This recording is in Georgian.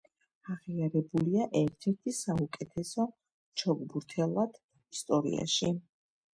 აღიარებულია ერთ-ერთ საუკეთესო ჩოგბურთელად ისტორიაში.